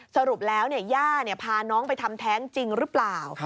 สรุปแล้วย่าพาน้องไปทำแท้งจริงหรือเปล่า